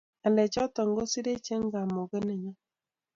ngalek choton ko kosirech eng' kamuget nenyon